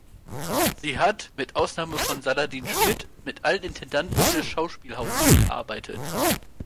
Sie hat, mit Ausnahme von Saladin Schmitt, mit allen Intendanten des Schauspielhauses gearbeitet.